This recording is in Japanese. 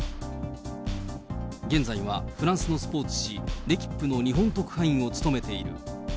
現在はフランスのスポーツ紙、レキップの日本特派員を務めている。